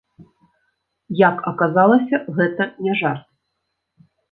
Як аказалася, гэта не жарт.